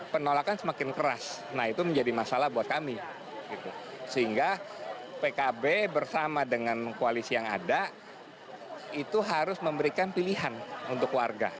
pkb bersama dengan koalisi yang ada itu harus memberikan pilihan untuk warga